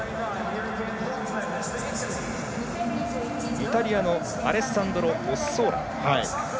イタリアアレッサンドロ・オッソーラ。